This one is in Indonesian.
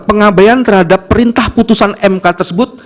pengabaian terhadap perintah putusan mk tersebut